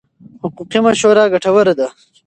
حقوقي مشوره ګټوره ده.